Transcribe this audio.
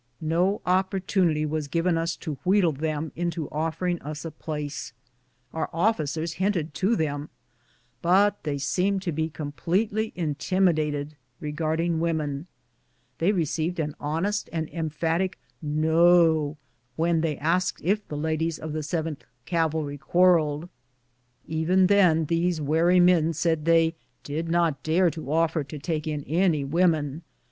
No opportunity was given us to wheedle them into offering us a place. Our oflScers hinted to SEPARATION AND REUNION. 89 them, but they seemed to be completely intimidated re garding women. They received an honest and emphatic " no " when they asked if the ladies of the Yth Cavalry quarrelled. Even then these war}^ men said " they did not dare to offer to take in any women."